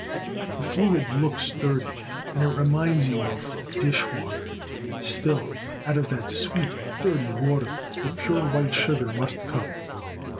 The fluid looks dirty, and it reminds you of dishwater. Still, out of that sweet, dirty water the pure white sugar must come.